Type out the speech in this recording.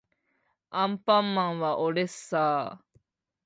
アンパンマンはおれっさー